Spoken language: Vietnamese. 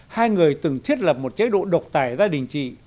hai người từng thiết lập một chế độ độc tài gia đình trị